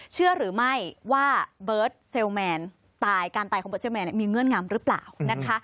เชื่อหรือไม่ว่าเบิร์ตเซลแมนตายการตายของเบิร์เจอร์แมนมีเงื่อนงำหรือเปล่านะคะ